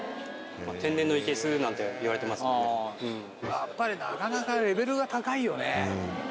やっぱりなかなかレベルが高いよね。